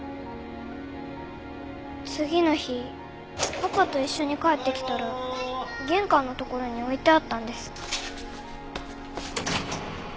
次の日パパと一緒に帰ってきたら玄関の所に置いてあったんです。